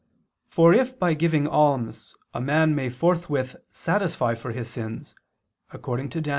For if by giving alms a man may forthwith satisfy for his sins, according to Dan.